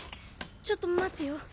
ちょっと待ってよ。